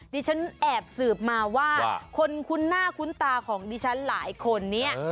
ฉันแอบสืบมาว่าคนคุ้นหน้าคุ้นตาของดิฉันหลายคนเนี่ย